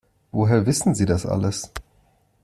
Woher wissen Sie das alles?